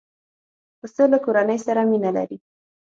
پسه له کورنۍ سره مینه لري.